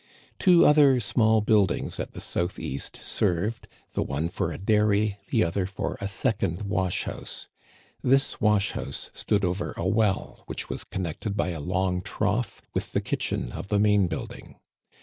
Two other small buildings at the southeast served, the one for a dairy, the other for a second wash house. This wash house stood over a well, which was connected by a long trough with the kitchen of the main building.